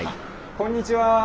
こんにちは。